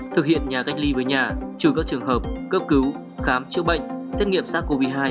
thực hiện nhà cách ly với nhà trừ các trường hợp cấp cứu khám chữa bệnh xét nghiệm sars cov hai